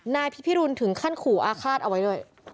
นายพิพิรุณถึงขั้นขู่อาฆาตเอาไว้ด้วย